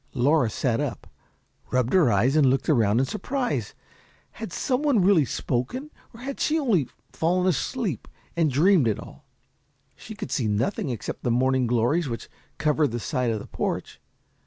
Laura sat up, rubbed her eyes, and looked around in surprise. Had some one really spoken, or had she only fallen asleep and dreamed it all? She could see nothing except the morning glories which covered the side of the porch.